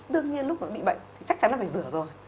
tương nhiên lúc nó bị bệnh chắc chắn nó phải rửa rồi